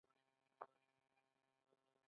د فراکچر هډوکی ماتېدل دي.